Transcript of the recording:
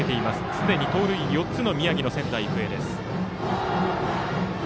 すでに盗塁４つの宮城の仙台育英。